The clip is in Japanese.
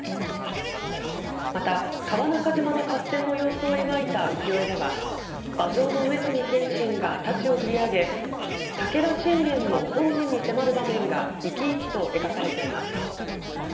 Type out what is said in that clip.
また、川中島の合戦の様子を描いた浮世絵では馬上の上杉謙信が太刀を振り上げ武田信玄の本陣に迫る場面が生き生きと描かれています。